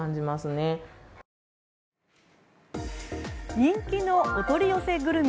人気のお取り寄せグルメ。